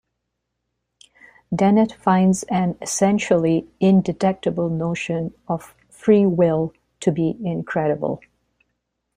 Dennett finds an essentially "indetectable" notion of free will to be incredible.